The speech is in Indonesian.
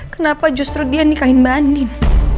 kenapa justru dia nikahin mbak andin